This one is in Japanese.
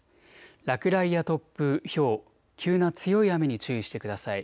落雷や突風、ひょう、急な強い雨に注意してください。